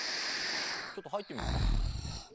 ちょっと入ってみるか。